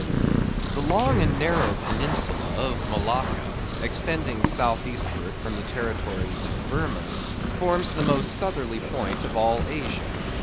The long and narrow peninsula of Malacca, extending south eastward from the territories of Birmah, forms the most southerly point of all Asia.